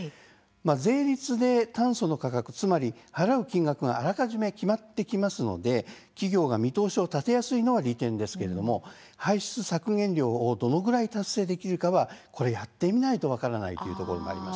税率で炭素の価格つまり払う金額があらかじめ決まってきますので企業が見通しを立てやすいのは利点ですが排出削減量をどのくらい達成できるかは、やってみないと分からないんです。